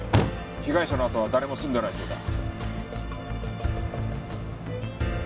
被害者のあとは誰も住んでないそうだ。